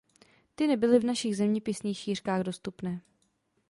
Ty nebyly v našich zeměpisných šířkách dostupné.